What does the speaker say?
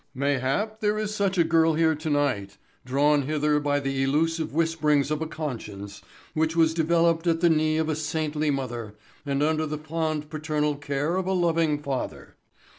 "Mayhap there is such a girl here tonight, drawn hither by the elusive whisperings of a conscience which was developed at the knee of a saintly mother and under the fond paternal care of a loving father.